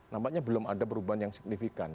nampaknya belum ada perubahan yang signifikan